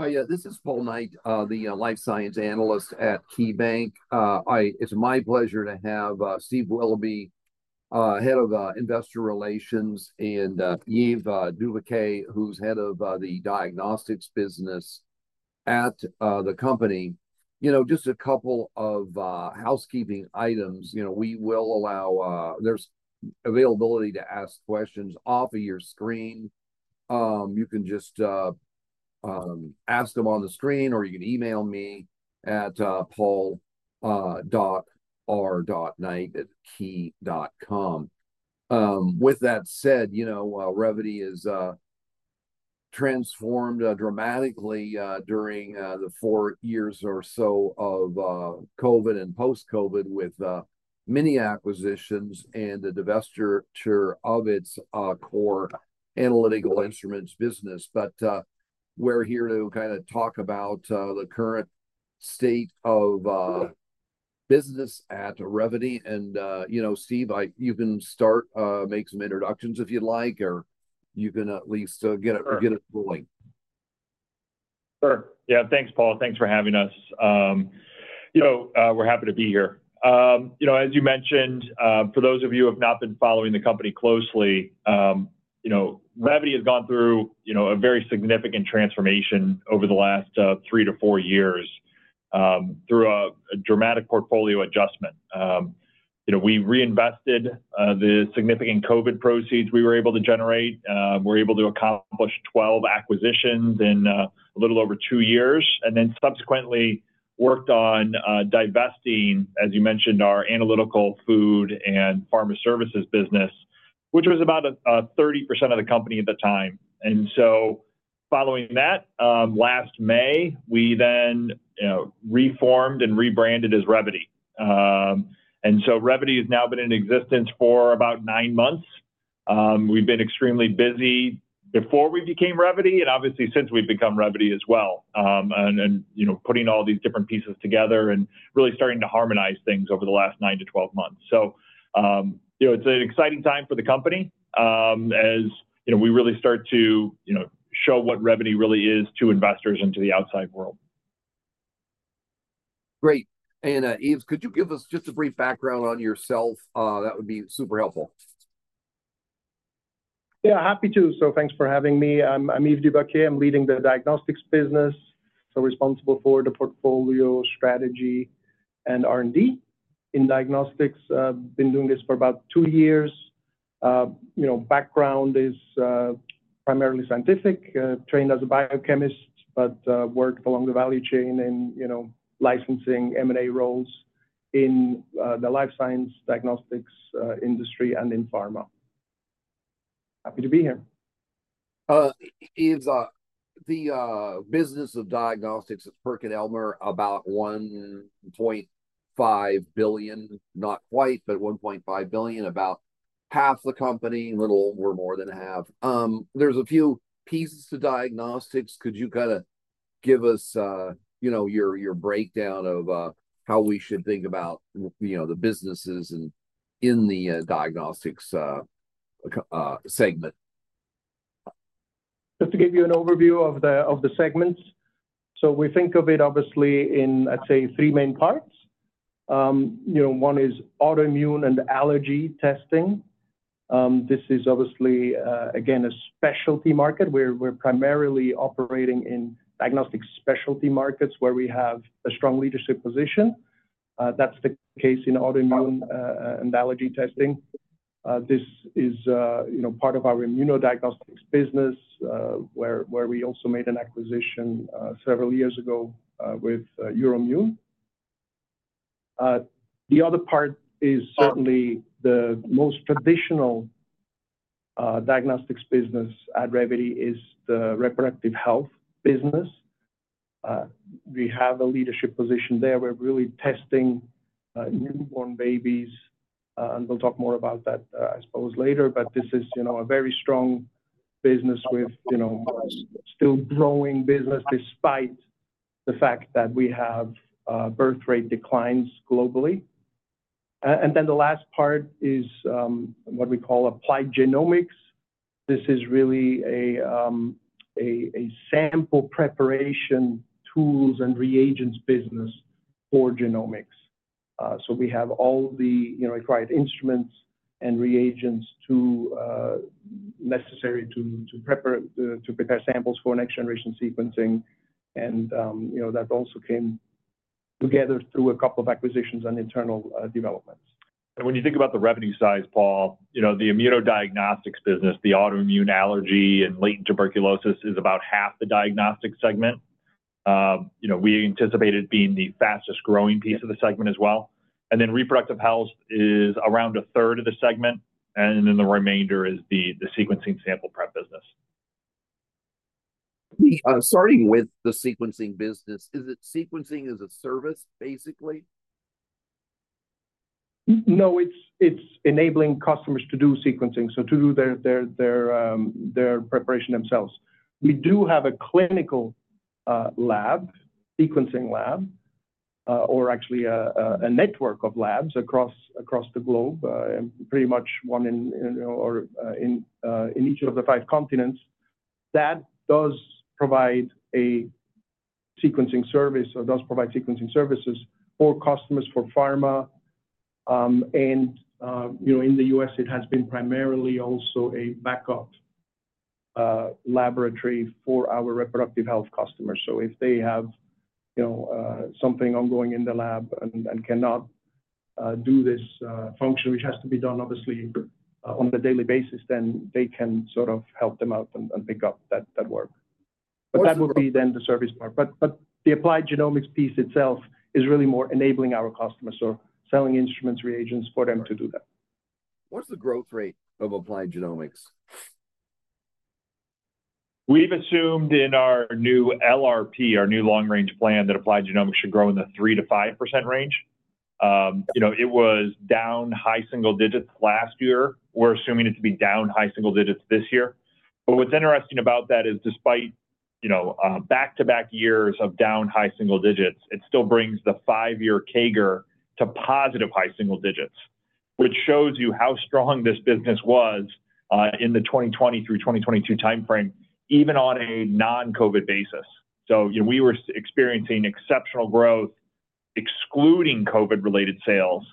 Hi, this is Paul Knight, the life science analyst at KeyBanc. It's my pleasure to have Steve Willoughby, head of investor relations, and Yves Dubaquie, who's head of the diagnostics business at the company. Just a couple of housekeeping items. We will allow there's availability to ask questions off of your screen. You can just ask them on the screen, or you can email me at paul.r.knight@key.com. With that said, Revvity is transformed dramatically during the four years or so of COVID and post-COVID with many acquisitions and the divestiture of its core analytical instruments business. But we're here to kind of talk about the current state of business at Revvity. Steve, you can start, make some introductions if you'd like, or you can at least get us rolling. Sure. Yeah, thanks, Paul. Thanks for having us. We're happy to be here. As you mentioned, for those of you who have not been following the company closely, Revvity has gone through a very significant transformation over the last three to four years through a dramatic portfolio adjustment. We reinvested the significant COVID proceeds we were able to generate. We're able to accomplish 12 acquisitions in a little over two years, and then subsequently worked on divesting, as you mentioned, our analytical food and pharma services business, which was about 30% of the company at the time. And so following that, last May, we then reformed and rebranded as Revvity. And so Revvity has now been in existence for about nine months. We've been extremely busy before we became Revvity, and obviously since we've become Revvity as well, and putting all these different pieces together and really starting to harmonize things over the last nine to 12 months. So it's an exciting time for the company as we really start to show what Revvity really is to investors and to the outside world. Great. And Yves, could you give us just a brief background on yourself? That would be super helpful. Yeah, happy to. Thanks for having me. I'm Yves Dubaquie. I'm leading the diagnostics business. Responsible for the portfolio, strategy, and R&D in diagnostics. Been doing this for about two years. Background is primarily scientific, trained as a biochemist, but worked along the value chain in licensing, M&A roles in the life science diagnostics industry and in pharma. Happy to be here. Yves, the business of diagnostics at PerkinElmer is about $1.5 billion, not quite, but $1.5 billion, about half the company, a little over more than half. There's a few pieces to diagnostics. Could you kind of give us your breakdown of how we should think about the businesses in the diagnostics segment? Just to give you an overview of the segments. So we think of it, obviously, in, I'd say, three main parts. One is autoimmune and allergy testing. This is obviously, again, a specialty market. We're primarily operating in diagnostic specialty markets where we have a strong leadership position. That's the case in autoimmune and allergy testing. This is part of our immunodiagnostics business where we also made an acquisition several years ago with EUROIMMUN. The other part is certainly the most traditional diagnostics business at Revvity, is the reproductive health business. We have a leadership position there. We're really testing newborn babies, and we'll talk more about that, I suppose, later. But this is a very strong business with still growing business despite the fact that we have birth rate declines globally. And then the last part is what we call applied genomics. This is really a sample preparation tools and reagents business for genomics. We have all the required instruments and reagents necessary to prepare samples for next-generation sequencing. That also came together through a couple of acquisitions and internal developments. When you think about the revenue size, Paul, the immunodiagnostics business, the autoimmune allergy and latent tuberculosis is about half the diagnostic segment. We anticipate it being the fastest growing piece of the segment as well. Then reproductive health is around a third of the segment, and then the remainder is the sequencing sample prep business. Starting with the sequencing business, is it sequencing as a service, basically? No, it's enabling customers to do sequencing, so to do their preparation themselves. We do have a clinical lab, sequencing lab, or actually a network of labs across the globe, pretty much one in each of the five continents. That does provide a sequencing service or does provide sequencing services for customers, for pharma. And in the U.S., it has been primarily also a backup laboratory for our reproductive health customers. So if they have something ongoing in the lab and cannot do this function, which has to be done, obviously, on a daily basis, then they can sort of help them out and pick up that work. But that would be then the service part. But the applied genomics piece itself is really more enabling our customers or selling instruments, reagents for them to do that. What's the growth rate of applied genomics? We've assumed in our new LRP, our new long-range plan, that applied genomics should grow in the 3%-5% range. It was down high single digits last year. We're assuming it to be down high single digits this year. But what's interesting about that is despite back-to-back years of down high single digits, it still brings the five-year CAGR to positive high single digits, which shows you how strong this business was in the 2020 through 2022 timeframe, even on a non-COVID basis. So we were experiencing exceptional growth excluding COVID-related sales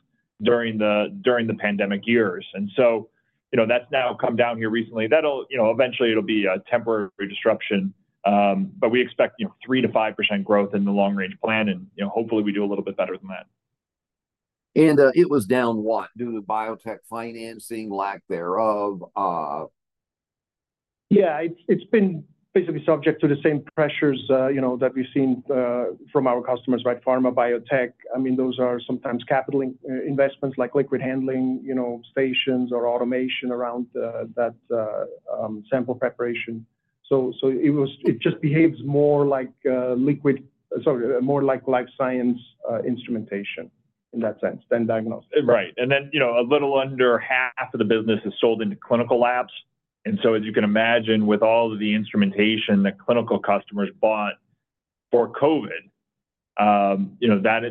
during the pandemic years. And so that's now come down here recently. Eventually, it'll be a temporary disruption. But we expect 3%-5% growth in the long-range plan. And hopefully, we do a little bit better than that. It was down what? Due to biotech financing, lack thereof? Yeah, it's been basically subject to the same pressures that we've seen from our customers, right? Pharma, biotech. I mean, those are sometimes capital investments like liquid handling stations or automation around that sample preparation. So it just behaves more like life science instrumentation in that sense than diagnostics. Right. And then a little under half of the business is sold into clinical labs. And so as you can imagine, with all of the instrumentation that clinical customers bought for COVID,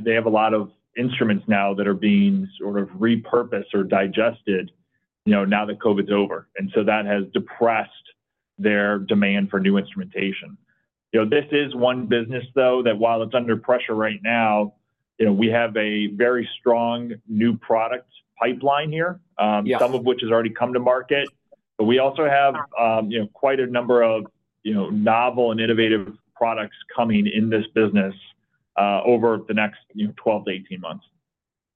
they have a lot of instruments now that are being sort of repurposed or digested now that COVID's over. And so that has depressed their demand for new instrumentation. This is one business, though, that while it's under pressure right now, we have a very strong new product pipeline here, some of which has already come to market. But we also have quite a number of novel and innovative products coming in this business over the next 12-18 months.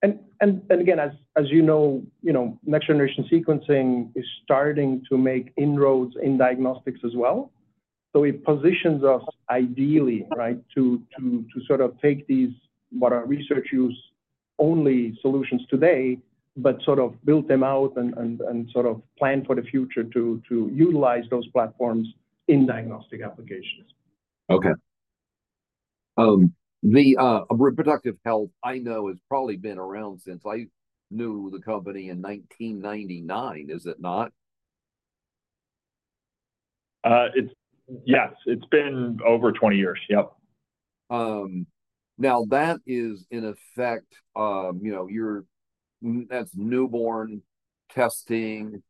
And again, as you know, next-generation sequencing is starting to make inroads in diagnostics as well. So it positions us ideally, right, to sort of take these what are research-use-only solutions today, but sort of build them out and sort of plan for the future to utilize those platforms in diagnostic applications. Okay. The reproductive health, I know, has probably been around since I knew the company in 1999, is it not? Yes, it's been over 20 years. Yep. Now, that is in effect, that's newborn testing.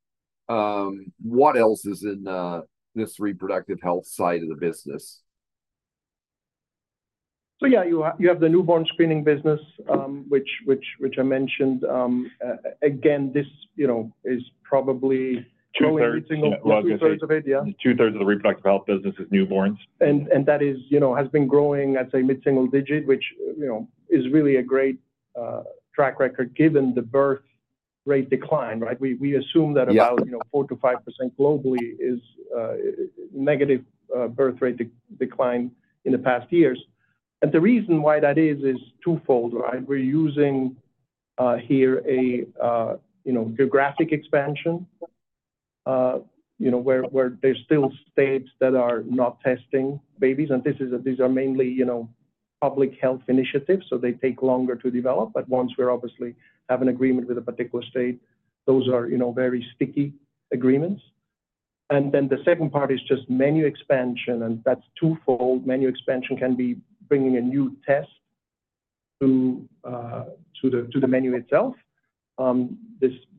What else is in this reproductive health side of the business? So yeah, you have the newborn screening business, which I mentioned. Again, this is probably growing mid-single digit. Two-thirds. Two-thirds of it. Yeah. Two-thirds of the reproductive health business is newborns. That has been growing, I'd say, mid-single digit, which is really a great track record given the birth rate decline, right? We assume that about 4%-5% globally is negative birth rate decline in the past years. The reason why that is is twofold, right? We're using here a geographic expansion where there's still states that are not testing babies. These are mainly public health initiatives, so they take longer to develop. But once we obviously have an agreement with a particular state, those are very sticky agreements. The second part is just menu expansion. That's twofold. Menu expansion can be bringing a new test to the menu itself.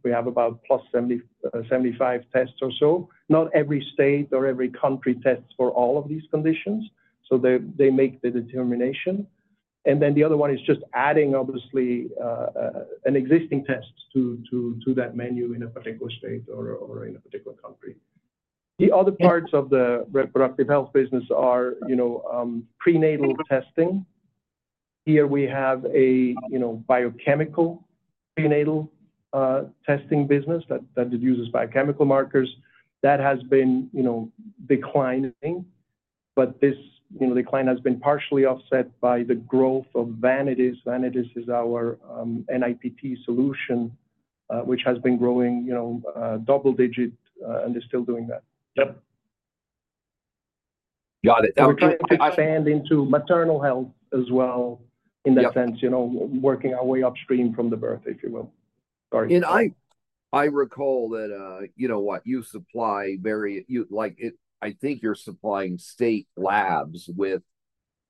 We have about +semi-five tests or so. Not every state or every country tests for all of these conditions. So they make the determination. Then the other one is just adding, obviously, an existing test to that menu in a particular state or in a particular country. The other parts of the reproductive health business are prenatal testing. Here, we have a biochemical prenatal testing business that uses biochemical markers. That has been declining. But this decline has been partially offset by the growth of Vanadis. Vanadis is our NIPT solution, which has been growing double-digit and is still doing that. Yep. Got it. Now, could you? We're trying to expand into maternal health as well in that sense, working our way upstream from the birth, if you will. Sorry. I recall that, you know what? You supply very. I think you're supplying state labs with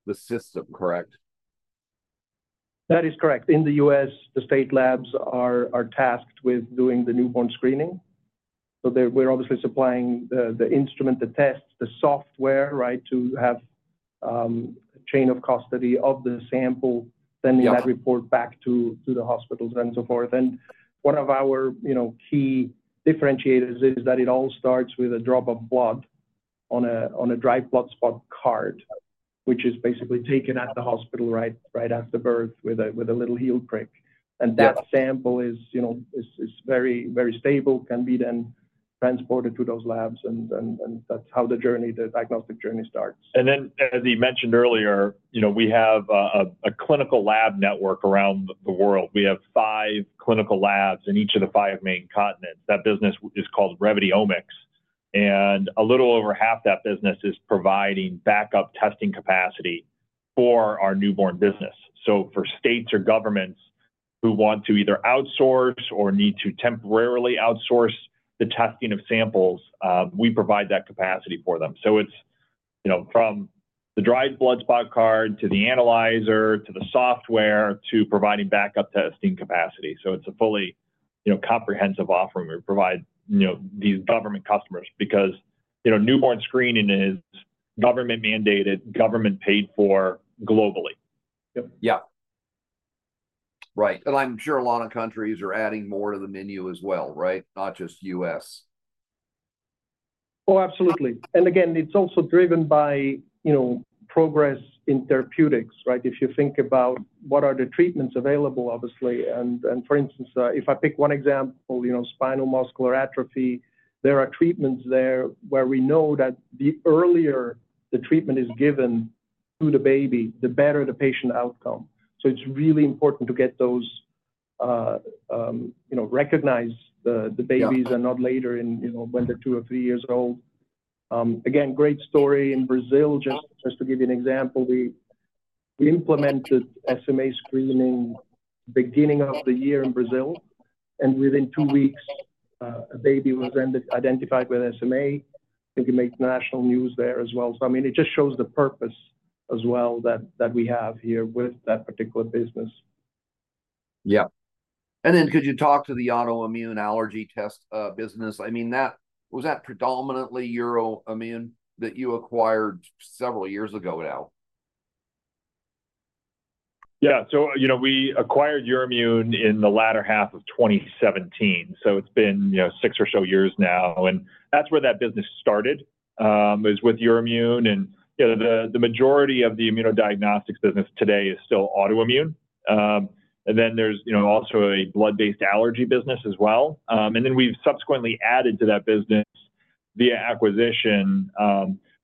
the system, correct? That is correct. In the U.S., the state labs are tasked with doing the newborn screening. So we're obviously supplying the instrument, the tests, the software, right, to have chain of custody of the sample, sending that report back to the hospitals, and so forth. And one of our key differentiators is that it all starts with a drop of blood on a dried blood spot card, which is basically taken at the hospital right after birth with a little heel prick. And that sample is very, very stable, can be then transported to those labs. And that's how the diagnostic journey starts. And then as you mentioned earlier, we have a clinical lab network around the world. We have five clinical labs in each of the five main continents. That business is called Revvity Omics. And a little over half that business is providing backup testing capacity for our newborn business. So for states or governments who want to either outsource or need to temporarily outsource the testing of samples, we provide that capacity for them. So it's from the dried blood spot card to the analyzer to the software to providing backup testing capacity. So it's a fully comprehensive offering we provide these government customers because newborn screening is government-mandated, government-paid for globally. Yep. Yeah. Right. I'm sure a lot of countries are adding more to the menu as well, right, not just U.S. Oh, absolutely. And again, it's also driven by progress in therapeutics, right? If you think about what are the treatments available, obviously. And for instance, if I pick one example, spinal muscular atrophy, there are treatments there where we know that the earlier the treatment is given to the baby, the better the patient outcome. So it's really important to recognize those babies and not later when they're two or three years old. Again, great story. In Brazil, just to give you an example, we implemented SMA screening beginning of the year in Brazil. And within two weeks, a baby was identified with SMA. I think it made national news there as well. So I mean, it just shows the purpose as well that we have here with that particular business. Yep. And then could you talk to the autoimmune allergy test business? I mean, was that predominantly EUROIMMUN that you acquired several years ago now? Yeah. So we acquired EUROIMMUN in the latter half of 2017. So it's been six or so years now. And that's where that business started is with EUROIMMUN. And the majority of the immunodiagnostics business today is still autoimmune. And then there's also a blood-based allergy business as well. And then we've subsequently added to that business via acquisition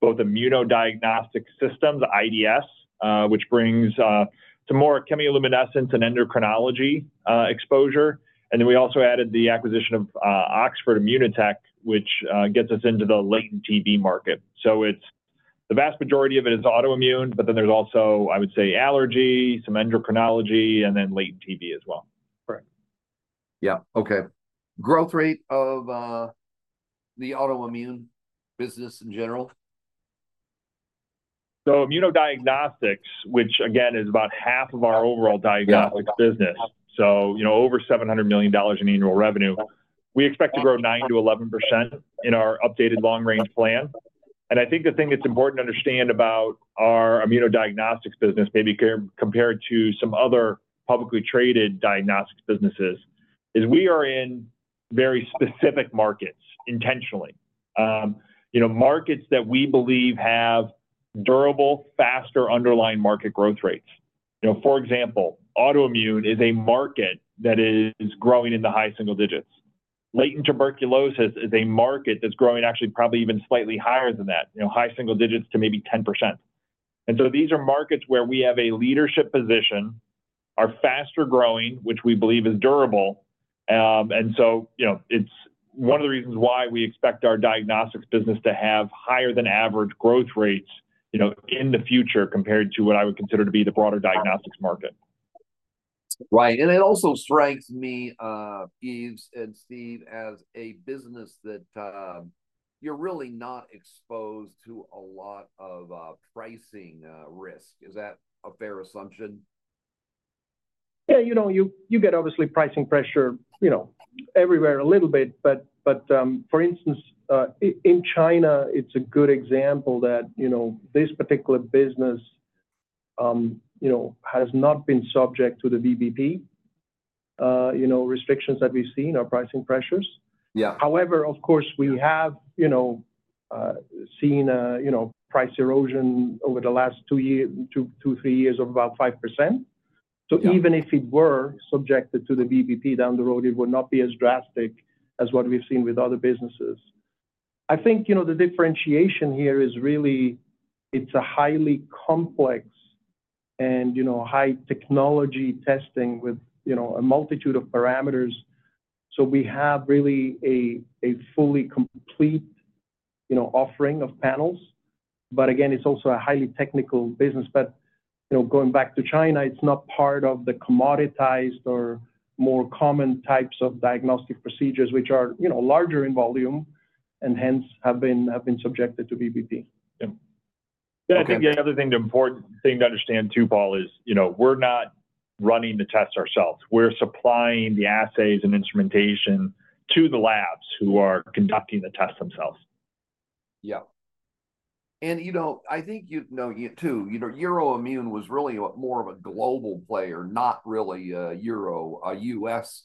both Immunodiagnostic Systems, IDS, which brings some more chemiluminescence and endocrinology exposure. And then we also added the acquisition of Oxford Immunotec, which gets us into the latent TB market. So the vast majority of it is autoimmune, but then there's also, I would say, allergy, some endocrinology, and then latent TB as well. Correct. Yeah. Okay. Growth rate of the autoimmune business in general? So immunodiagnostics, which again is about half of our overall diagnostics business, so over $700 million in annual revenue, we expect to grow 9%-11% in our updated long-range plan. And I think the thing that's important to understand about our immunodiagnostics business, maybe compared to some other publicly traded diagnostics businesses, is we are in very specific markets intentionally, markets that we believe have durable, faster underlying market growth rates. For example, autoimmune is a market that is growing in the high single digits. Latent tuberculosis is a market that's growing actually probably even slightly higher than that, high single digits to maybe 10%. And so these are markets where we have a leadership position, are faster growing, which we believe is durable. And so it's one of the reasons why we expect our diagnostics business to have higher-than-average growth rates in the future compared to what I would consider to be the broader diagnostics market. Right. It also strengthens me, Yves and Steve, as a business that you're really not exposed to a lot of pricing risk. Is that a fair assumption? Yeah. You get obviously pricing pressure everywhere a little bit. But for instance, in China, it's a good example that this particular business has not been subject to the VBP restrictions that we've seen, our pricing pressures. However, of course, we have seen price erosion over the last two, three years of about 5%. So even if it were subjected to the VBP down the road, it would not be as drastic as what we've seen with other businesses. I think the differentiation here is really it's a highly complex and high-technology testing with a multitude of parameters. So we have really a fully complete offering of panels. But again, it's also a highly technical business. But going back to China, it's not part of the commoditized or more common types of diagnostic procedures, which are larger in volume and hence have been subjected to VBP. Yeah. Yeah. I think the other thing to understand too, Paul, is we're not running the tests ourselves. We're supplying the assays and instrumentation to the labs who are conducting the tests themselves. Yep. And I think you know too, EUROIMMUN was really more of a global player, not really a U.S.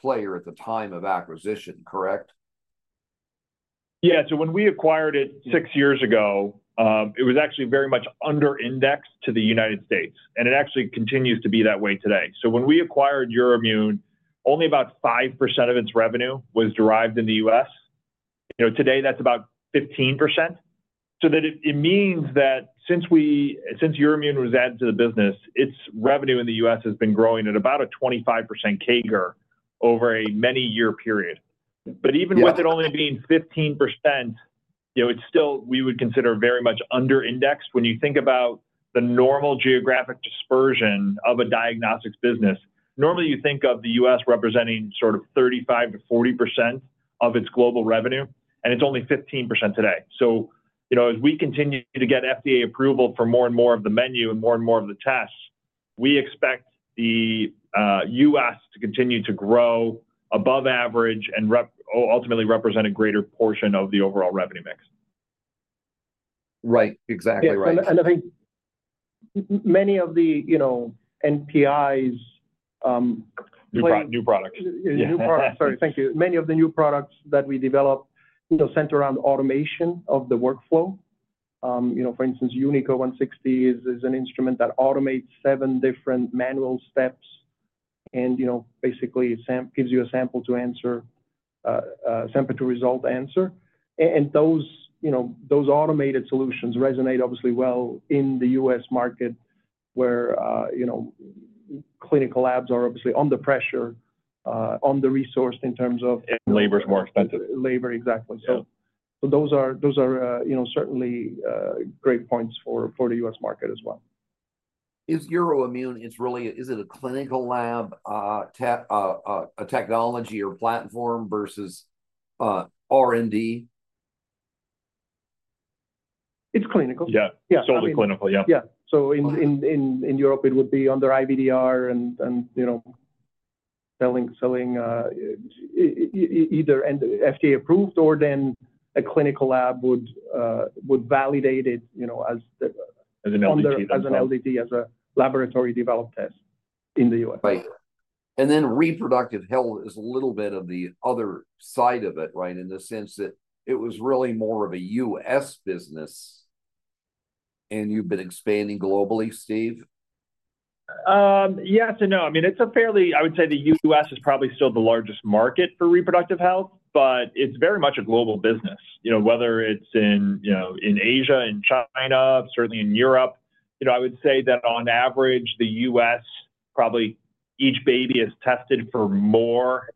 player at the time of acquisition, correct? Yeah. So when we acquired it six years ago, it was actually very much under-indexed to the United States. It actually continues to be that way today. So when we acquired EUROIMMUN, only about 5% of its revenue was derived in the U.S. Today, that's about 15%. So it means that since EUROIMMUN was added to the business, its revenue in the U.S. has been growing at about a 25% CAGR over a many-year period. But even with it only being 15%, it's still we would consider very much under-indexed. When you think about the normal geographic dispersion of a diagnostics business, normally, you think of the U.S. representing sort of 35%-40% of its global revenue. And it's only 15% today. As we continue to get FDA approval for more and more of the menu and more and more of the tests, we expect the U.S. to continue to grow above average and ultimately represent a greater portion of the overall revenue mix. Right. Exactly. Right. Yeah. I think many of the NPIs play. New products. New products. Sorry. Thank you. Many of the new products that we develop center around automation of the workflow. For instance, UNIQO 160 is an instrument that automates seven different manual steps and basically gives you a sample to answer, sample to result answer. And those automated solutions resonate obviously well in the U.S. market where clinical labs are obviously under pressure, under-resourced in terms of. Labor is more expensive. Labor. Exactly. So those are certainly great points for the U.S. market as well. Is EUROIMMUN, is it a clinical lab, a technology or platform versus R&D? It's clinical. Yeah. Yeah. Solely clinical. Yeah. Yeah. So in Europe, it would be under IVDR and selling either FDA-approved or then a clinical lab would validate it as. As an LDT developed. As an LDT, as a laboratory-developed test in the U.S. Right. And then reproductive health is a little bit of the other side of it, right, in the sense that it was really more of a U.S. business. And you've been expanding globally, Steve? Yes and no. I mean, it's a fairly—I would say the U.S. is probably still the largest market for reproductive health, but it's very much a global business. Whether it's in Asia, in China, certainly in Europe, I would say that on average, the U.S., probably each baby is tested for more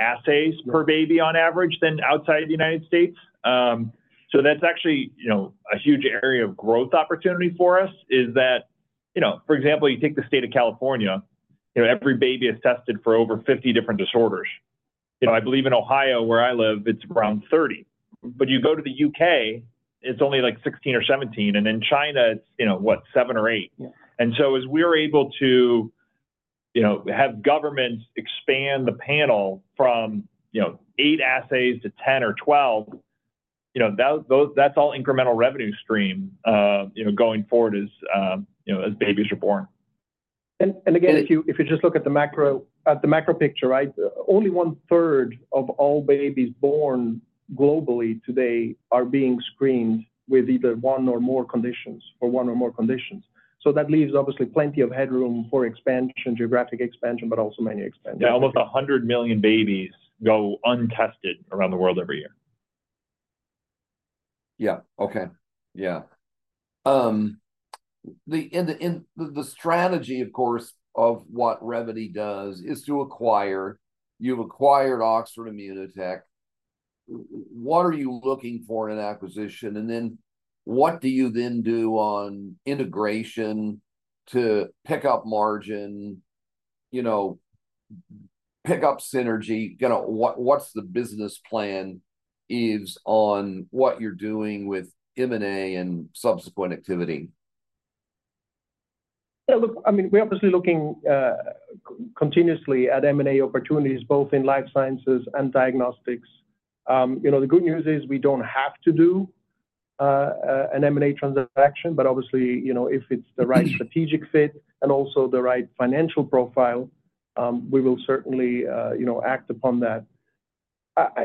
assays per baby on average than outside the United States. So that's actually a huge area of growth opportunity for us, in that, for example, you take the state of California, every baby is tested for over 50 different disorders. I believe in Ohio, where I live, it's around 30. But you go to the U.K., it's only like 16 or 17. And in China, it's, what, 7 or 8. As we're able to have governments expand the panel from eight assays to 10 or 12, that's all incremental revenue stream going forward as babies are born. Again, if you just look at the macro picture, right, only one-third of all babies born globally today are being screened with either one or more conditions or one or more conditions. That leaves obviously plenty of headroom for expansion, geographic expansion, but also many expansions. Yeah. Almost 100 million babies go untested around the world every year. Yeah. Okay. Yeah. The strategy, of course, of what Revvity does is to acquire. You've acquired Oxford Immunotec. What are you looking for in an acquisition? And then what do you then do on integration to pick up margin, pick up synergy? What's the business plan, Yves, on what you're doing with M&A and subsequent activity? Yeah. Look, I mean, we're obviously looking continuously at M&A opportunities both in life sciences and diagnostics. The good news is we don't have to do an M&A transaction. But obviously, if it's the right strategic fit and also the right financial profile, we will certainly act upon that.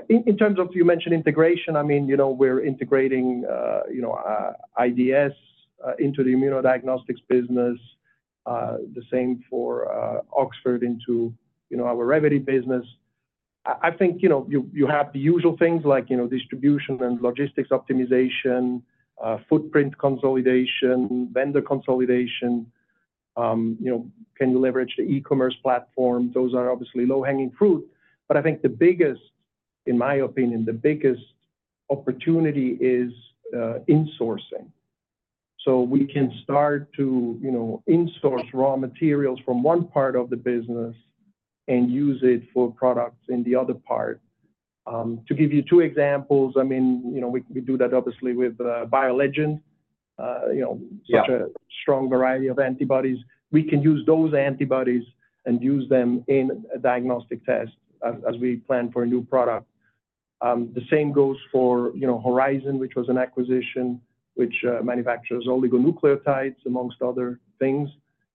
In terms of you mentioned integration, I mean, we're integrating IDS into the immunodiagnostics business, the same for Oxford into our Revvity business. I think you have the usual things like distribution and logistics optimization, footprint consolidation, vendor consolidation. Can you leverage the e-commerce platform? Those are obviously low-hanging fruit. But I think the biggest, in my opinion, the biggest opportunity is insourcing. So we can start to insource raw materials from one part of the business and use it for products in the other part. To give you two examples, I mean, we do that obviously with BioLegend, such a strong variety of antibodies. We can use those antibodies and use them in a diagnostic test as we plan for a new product. The same goes for Horizon, which was an acquisition, which manufactures oligonucleotides, among other things.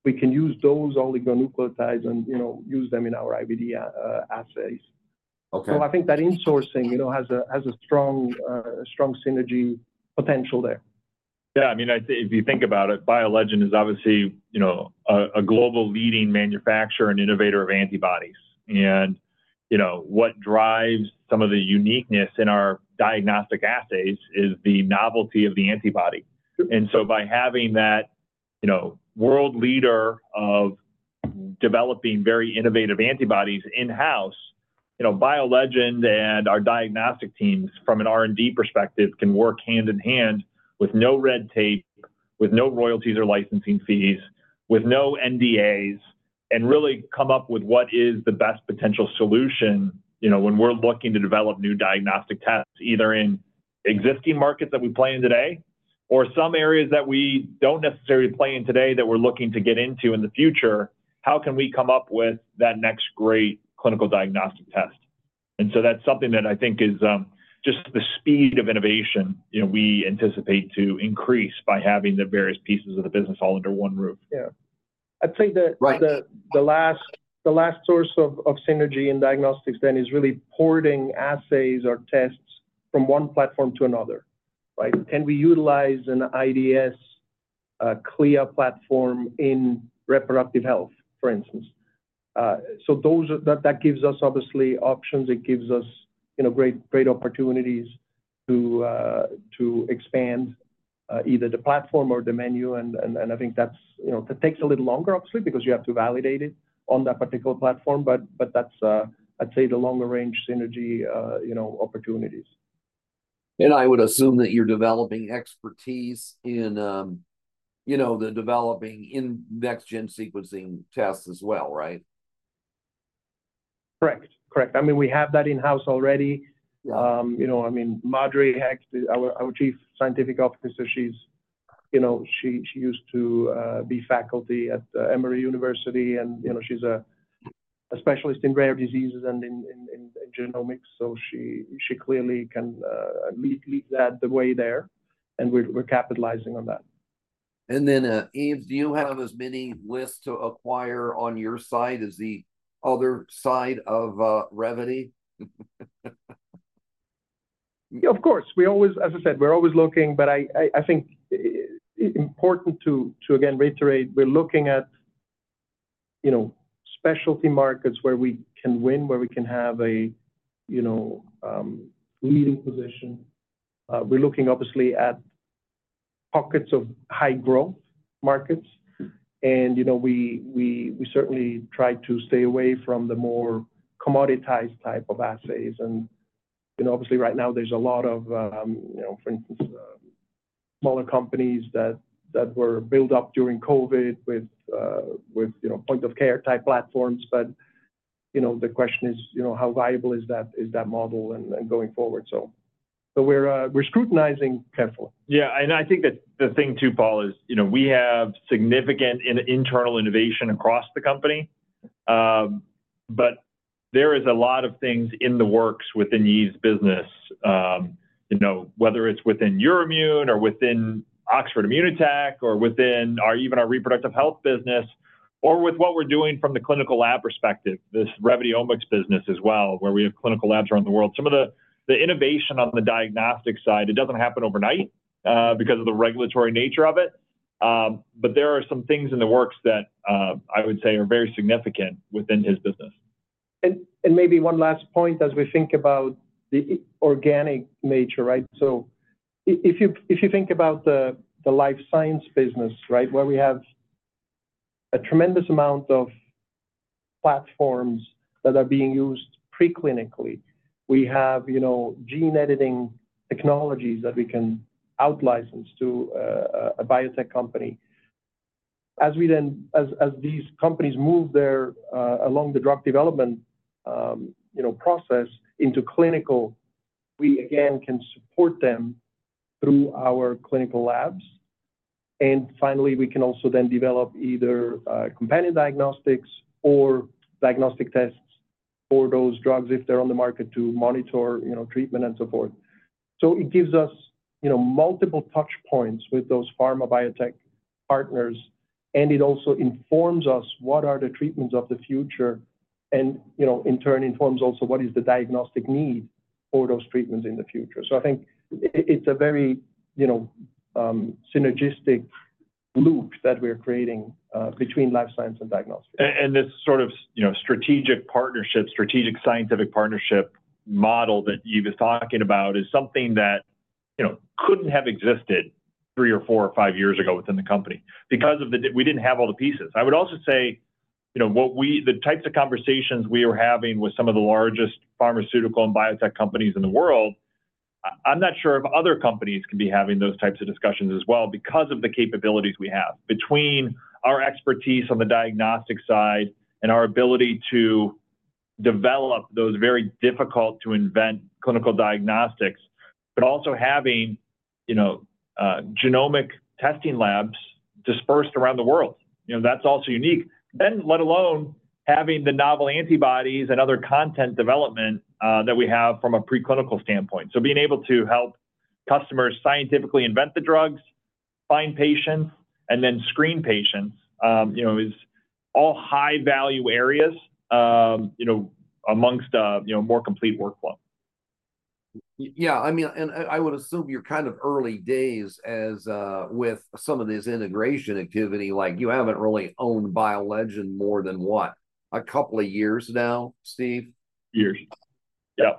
We can use those oligonucleotides and use them in our IVD assays. So I think that insourcing has a strong synergy potential there. Yeah. I mean, if you think about it, BioLegend is obviously a global leading manufacturer and innovator of antibodies. And what drives some of the uniqueness in our diagnostic assays is the novelty of the antibody. And so by having that world leader of developing very innovative antibodies in-house, BioLegend and our diagnostic teams, from an R&D perspective, can work hand in hand with no red tape, with no royalties or licensing fees, with no NDAs, and really come up with what is the best potential solution when we're looking to develop new diagnostic tests, either in existing markets that we play in today or some areas that we don't necessarily play in today that we're looking to get into in the future, how can we come up with that next great clinical diagnostic test? And so that's something that I think is just the speed of innovation we anticipate to increase by having the various pieces of the business all under one roof. Yeah. I'd say that the last source of synergy in diagnostics then is really porting assays or tests from one platform to another, right? Can we utilize an IDS CLIA platform in reproductive health, for instance? So that gives us obviously options. It gives us great opportunities to expand either the platform or the menu. And I think that takes a little longer, obviously, because you have to validate it on that particular platform. But that's, I'd say, the longer-range synergy opportunities. I would assume that you're developing expertise in developing next-gen sequencing tests as well, right? Correct. Correct. I mean, we have that in-house already. I mean, Madhuri Hegde, our Chief Scientific Officer, she used to be faculty at Emory University. And she's a specialist in rare diseases and in genomics. So she clearly can lead that way there. And we're capitalizing on that. Yves, do you have as many lists to acquire on your side as the other side of Revvity? Yeah. Of course. As I said, we're always looking. But I think important to, again, reiterate, we're looking at specialty markets where we can win, where we can have a leading position. We're looking, obviously, at pockets of high-growth markets. And we certainly try to stay away from the more commoditized type of assays. And obviously, right now, there's a lot of, for instance, smaller companies that were built up during COVID with point-of-care type platforms. But the question is, how viable is that model going forward? So we're scrutinizing carefully. Yeah. And I think that the thing too, Paul, is we have significant internal innovation across the company. But there is a lot of things in the works within Yves' business, whether it's within EUROIMMUN or within Oxford Immunotec or within even our reproductive health business or with what we're doing from the clinical lab perspective, this Revvity Omics business as well, where we have clinical labs around the world. Some of the innovation on the diagnostic side, it doesn't happen overnight because of the regulatory nature of it. But there are some things in the works that I would say are very significant within his business. And maybe one last point as we think about the organic nature, right? So if you think about the life science business, right, where we have a tremendous amount of platforms that are being used preclinically, we have gene editing technologies that we can outlicense to a biotech company. As these companies move along the drug development process into clinical, we, again, can support them through our clinical labs. And finally, we can also then develop either companion diagnostics or diagnostic tests for those drugs if they're on the market to monitor treatment and so forth. So it gives us multiple touchpoints with those pharma-biotech partners. And it also informs us what are the treatments of the future. And in turn, informs also what is the diagnostic need for those treatments in the future. So I think it's a very synergistic loop that we're creating between life science and diagnostics. This sort of strategic partnership, strategic scientific partnership model that Yves is talking about is something that couldn't have existed three or four or five years ago within the company because we didn't have all the pieces. I would also say the types of conversations we were having with some of the largest pharmaceutical and biotech companies in the world. I'm not sure if other companies can be having those types of discussions as well because of the capabilities we have between our expertise on the diagnostic side and our ability to develop those very difficult-to-invent clinical diagnostics, but also having genomic testing labs dispersed around the world. That's also unique, then let alone having the novel antibodies and other content development that we have from a preclinical standpoint. Being able to help customers scientifically invent the drugs, find patients, and then screen patients is all high-value areas amongst a more complete workflow. Yeah. I mean, and I would assume you're kind of early days with some of this integration activity. You haven't really owned BioLegend more than what, a couple of years now, Steve? Years. Yeah.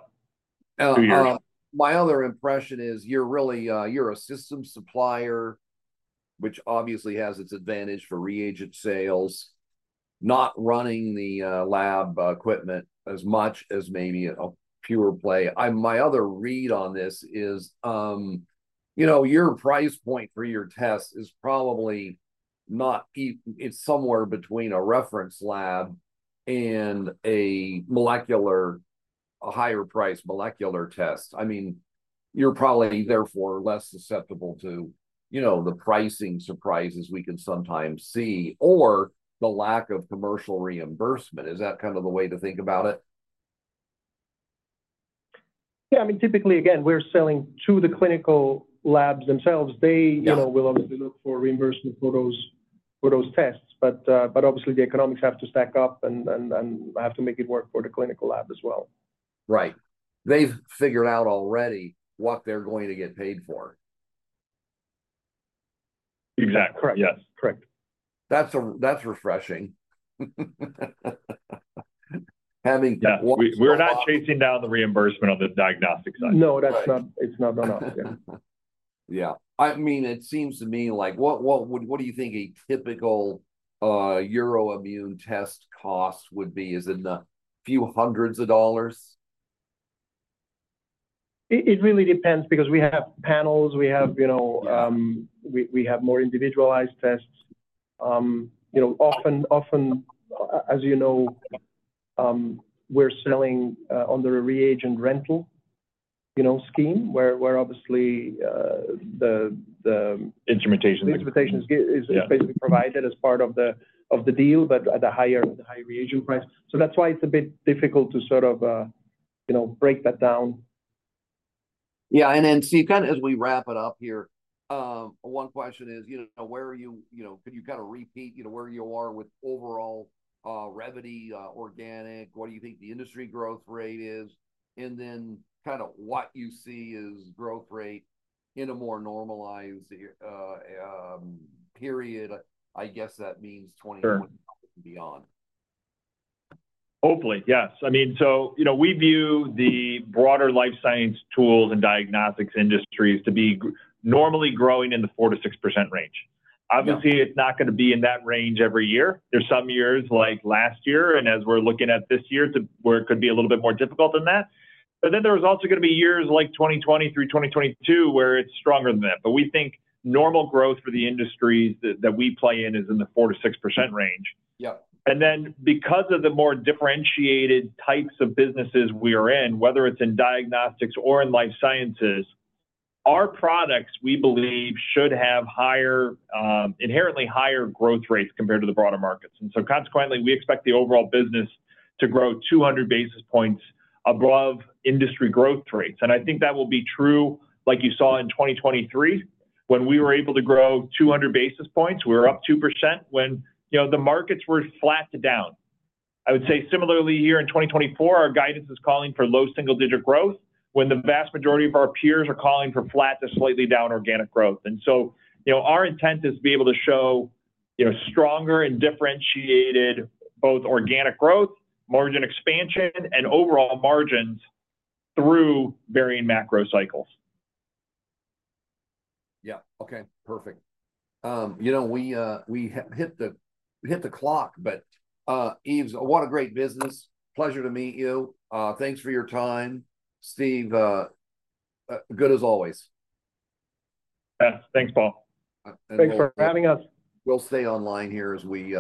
2 years. My other impression is you're a system supplier, which obviously has its advantage for reagent sales, not running the lab equipment as much as maybe a pure play. My other read on this is your price point for your test is probably not. It's somewhere between a reference lab and a higher-priced molecular test. I mean, you're probably therefore less susceptible to the pricing surprises we can sometimes see or the lack of commercial reimbursement. Is that kind of the way to think about it? Yeah. I mean, typically, again, we're selling to the clinical labs themselves. They will obviously look for reimbursement for those tests. But obviously, the economics have to stack up and have to make it work for the clinical lab as well. Right. They've figured out already what they're going to get paid for. Exactly. Yes. Correct. That's refreshing. Having what? Yeah. We're not chasing down the reimbursement on the diagnostic side. No, it's not on us. Yeah. Yeah. I mean, it seems to me what do you think a typical EUROIMMUN test cost would be? Is it in the few hundreds of dollars? It really depends because we have panels. We have more individualized tests. Often, as you know, we're selling under a reagent rental scheme where obviously the. Instrumentation that. The instrumentation is basically provided as part of the deal, but at a higher reagent price. So that's why it's a bit difficult to sort of break that down. Yeah. And then, Steve, kind of as we wrap it up here, one question is, where are you? Could you kind of repeat where you are with overall Revvity organic? What do you think the industry growth rate is? And then kind of what you see as growth rate in a more normalized period, I guess that means 2020 and beyond. Hopefully. Yes. I mean, so we view the broader life science tools and diagnostics industries to be normally growing in the 4%-6% range. Obviously, it's not going to be in that range every year. There's some years like last year. And as we're looking at this year, where it could be a little bit more difficult than that. But then there's also going to be years like 2020 through 2022 where it's stronger than that. But we think normal growth for the industries that we play in is in the 4%-6% range. And then because of the more differentiated types of businesses we are in, whether it's in diagnostics or in life sciences, our products, we believe, should have inherently higher growth rates compared to the broader markets. And so consequently, we expect the overall business to grow 200 basis points above industry growth rates. And I think that will be true, like you saw in 2023, when we were able to grow 200 basis points. We were up 2% when the markets were flat to down. I would say similarly, here in 2024, our guidance is calling for low single-digit growth when the vast majority of our peers are calling for flat to slightly down organic growth. And so our intent is to be able to show stronger and differentiated both organic growth, margin expansion, and overall margins through varying macro cycles. Yeah. Okay. Perfect. We hit the clock. But Yves, what a great business. Pleasure to meet you. Thanks for your time, Steve. Good as always. Thanks, Paul. Thanks for having us. We'll stay online here as we.